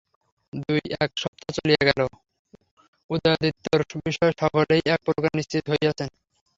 দুই এক সপ্তাহ চলিয়া গেল, উদয়াদিত্যের বিষয়ে সকলেই এক প্রকার নিশ্চিন্ত হইয়াছেন।